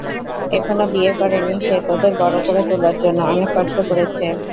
এখনো বিয়ে করেনি, সে তোদের বড় করে তুলার জন্য, অনেক কষ্ট করেছে।